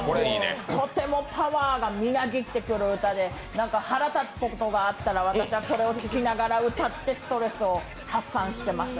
とてもパワーがみなぎってくる歌で腹立つことがあったら私はこれを聴きながら歌ってストレスを発散させてます。